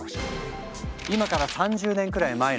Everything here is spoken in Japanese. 今から３０年くらい前のアメリカ。